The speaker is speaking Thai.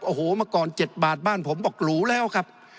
โอ้โหเมื่อก่อน๗บาทบ้านผมบอกหรูแล้วครับ